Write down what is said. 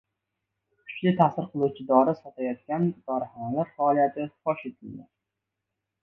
Kuchli ta’sir qiluvchi dori sotayotgan dorixonalar faoliyati fosh etildi